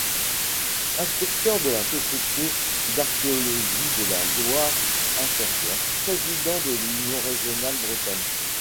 Inspecteur de la société d'archéologie de la Loire-Inférieure., président de l'Union régionale bretonne.